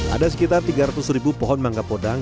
ada sekitar tiga ratus ribu pohon mangga podang